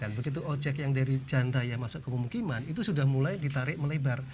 begitu ojek yang dari jandaya masuk ke pemukiman itu sudah mulai ditarik melebar